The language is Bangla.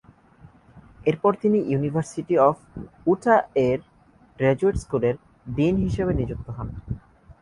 এরপর তিনি ইউনিভার্সিটি অব উটাহ এর গ্র্যাজুয়েট স্কুলের ডীন হিসেবে নিযুক্ত হন।